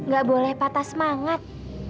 gak boleh patah semangat